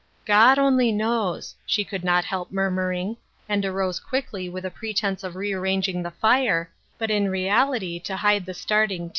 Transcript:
" God only knows," she could not help murmuring, and arose quickly with a pretense of rearranging the fire, but in reality to hide the starting tears.